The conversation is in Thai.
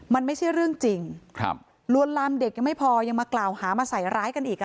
มันไม่ใช่เรื่องจริงลวนลามเด็กยังไม่พอยังมากล่าวหามาใส่ร้ายกันอีก